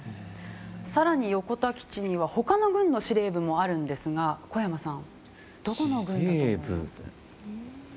更に横田基地には他の軍の司令部もあるんですが小山さん、どこだと思います？